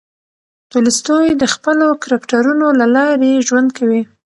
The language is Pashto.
تولستوی د خپلو کرکټرونو له لارې ژوند کوي.